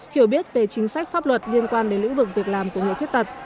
hiểu biết về chính sách pháp luật liên quan đến lĩnh vực việc làm của người khuyết tật